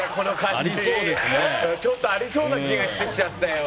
「ちょっとありそうな気がしてきちゃったよ」